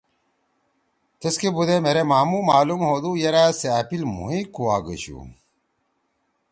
تیسکے بُودے مھیرے مھامُو معلوم ہودُو یرأ سے اپیل مھوئے کُوا گَشُو